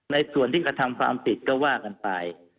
ในส่วนที่กระทำความผิดก็ว่ากันไป